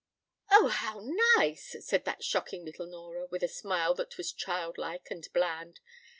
p> "Oh, how nice!" said that shocking little Nora, with a smile that was childlike and bland.